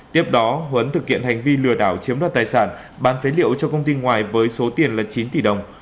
tiếp đó huấn thực hiện hành vi lừa đảo chiếm đoạt tài sản bán phế liệu cho công ty ngoài với số tiền là chín tỷ đồng